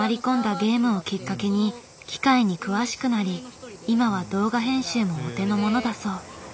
ゲームをきっかけに機械に詳しくなり今は動画編集もお手の物だそう。